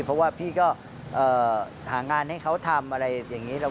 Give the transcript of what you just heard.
เพราะว่าพี่ก็หางานให้เขาทำอะไรอย่างนี้